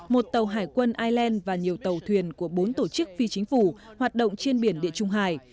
một tàu hải quân ireland và nhiều tàu thuyền của bốn tổ chức phi chính phủ hoạt động trên biển địa trung hải